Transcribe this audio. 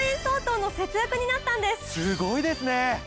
すごいですね！